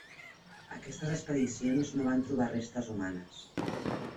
Aquestes expedicions no van trobar restes humanes.